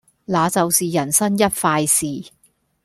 那就是人生一快事